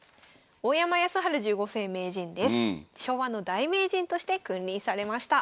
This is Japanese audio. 昭和の大名人として君臨されました。